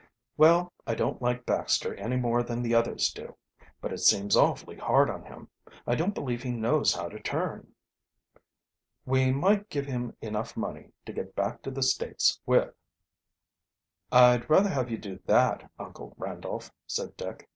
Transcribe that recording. "Well, I don't like Baxter any more than the others do. But it seems awfully hard on him. I don't believe he knows how to turn." "We might give him enough money to get back to the United States with." "I'd rather have you do that, Uncle Randolph," said Dick.